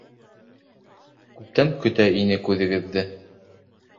— Күптән көтә инекүҙегеҙҙе.